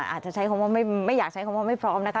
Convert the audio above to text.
อาจจะใช้คำว่าไม่อยากใช้คำว่าไม่พร้อมนะคะ